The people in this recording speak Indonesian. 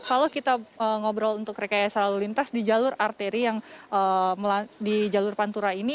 kalau kita ngobrol untuk rekayasa lalu lintas di jalur arteri yang di jalur pantura ini